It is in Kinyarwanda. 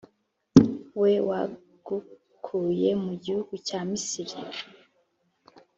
we wagukuye mu gihugu cya misiri.